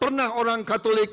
pernah orang katolik